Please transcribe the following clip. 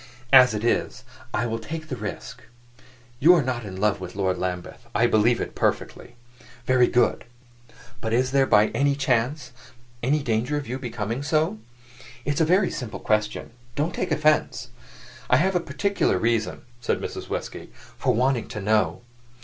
"As it is, I will take the risk. You are not in love with Lord Lambeth: I believe it, perfectly. Very good. But is there, by chance, any danger of your becoming so? It's a very simple question; don't take offense. I have a particular reason," said Mrs. Westgate, "for wanting to know."